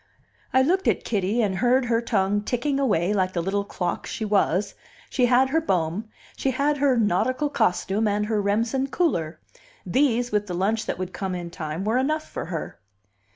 I looked at Kitty, and heard her tongue ticking away, like the little clock she was; she had her Bohm, she had her nautical costume and her Remsen cooler. These, with the lunch that would come in time, were enough for her.